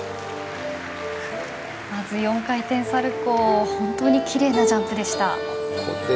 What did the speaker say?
まず４回転サルコウ本当に奇麗なジャンプでした。